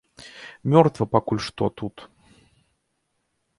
Мёртва пакуль што тут.